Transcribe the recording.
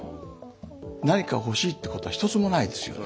何か欲しいってことは１つもないですよね。